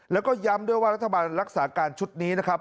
แล้วก็ย้ำด้วยว่ารัฐบาลรักษาการชุดนี้นะครับ